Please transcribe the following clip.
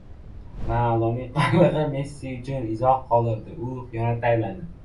Ronalduning qallig‘i Messi uchun izoh qoldirdi. Uni xiyonatda ayblashdi